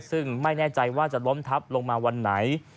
ซึ่งไม่แน่ใจว่าจะล้มทับลงมาวันไหน